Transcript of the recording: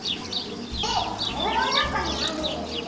「い」ってからだのなかにあるんでしょ。